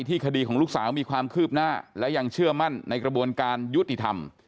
คดีของลูกสาวมีความคืบหน้าและยังเชื่อมั่นในกระบวนการยุติธรรม